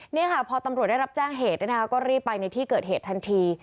นี่ค่ะพอตำรวจได้รับแจ้งเหตุก็รีบไปในที่เกิดเหตุทันที